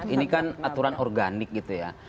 ini kan aturan organik gitu ya